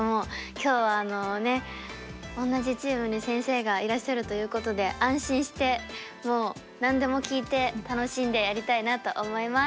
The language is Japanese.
今日は同じチームに先生がいらっしゃるということで安心してもう何でも聞いて楽しんでやりたいなと思います。